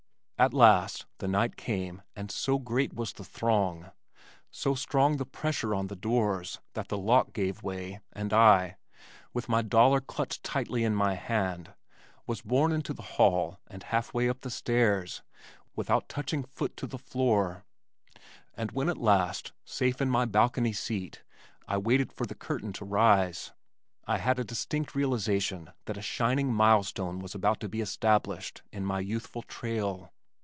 At last the night came and so great was the throng, so strong the pressure on the doors that the lock gave way and I, with my dollar clutched tightly in my hand, was borne into the hall and half way up the stairs without touching foot to the floor, and when at last, safe in my balcony seat I waited for the curtain to rise, I had a distinct realization that a shining milestone was about to be established in my youthful trail.